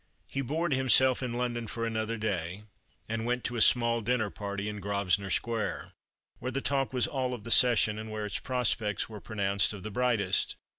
He bored himself in London for another day, and went to a small dinner party in Grosvenor Square, where the talk was all of the session and where its prospects were pronounced of the brightest.